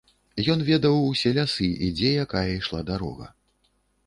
Ён ведаў усе лясы і дзе якая ішла дарога.